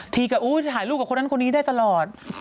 ทีก็อุ้ยถ่ายรูปกับคนนั้นคนนี้ได้ตลอด